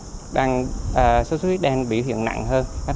sốt xuất huyết đang bị hiển thị sốt xuất huyết đang bị hiển thị